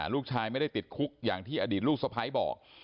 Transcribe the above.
ลูกชายไม่ได้ติดคุกอย่างที่อดีตลูกสะพ้ายบอก